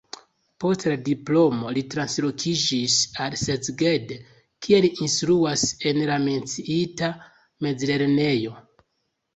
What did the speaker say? Post la diplomo li translokiĝis al Szeged, kie li instruas en la menciita mezlernejo.